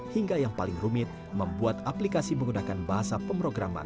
hingga yang paling rumit membuat aplikasi menggunakan bahasa pemrograman